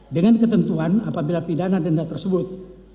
dengan ketentuan apabila pidana denda tersebut